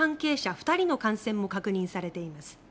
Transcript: ２人の感染も確認されています。